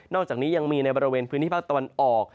อกจากนี้ยังมีในบริเวณพื้นที่ภาคตะวันออก